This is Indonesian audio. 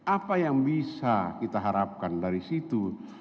apa yang bisa kita harapkan dari situ